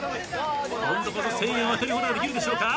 今度こそ１，０００円を当てることができるでしょうか？